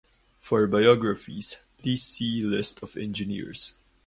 For biographies please see List of engineers.